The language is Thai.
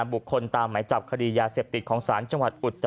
บุคคลตามหมายจับคดียาเสพติดของศาลจังหวัดอุตร